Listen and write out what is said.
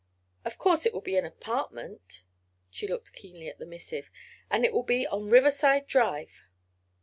Of course it will be an apartment——" she looked keenly at the missive, "and it will be on Riverside Drive."